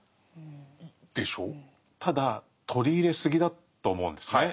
ただ取り入れすぎだと思うんですね。